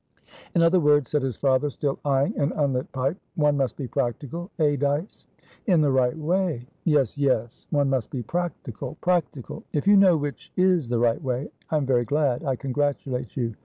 "In other words," said his father, still eyeing an unlit pipe, "one must be practicaleh, Dyce?" "In the right way." "Yes, yes: one must be practical, practical. If you know which is the right way, I am very glad, I congratulate you.